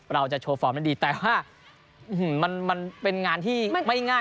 เราจะโชว์ฟอร์มได้ดีแต่ว่ามันเป็นงานที่ไม่ง่าย